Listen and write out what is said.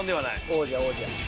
王者王者。